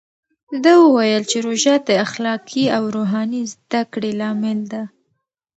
ده وویل چې روژه د اخلاقي او روحاني زده کړې لامل ده.